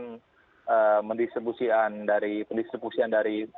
dan mendistribusian dari pendistribusian dari